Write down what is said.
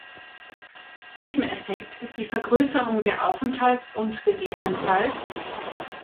Nebeneffekt ist die Vergrößerung der Aufenthalts- und ggf.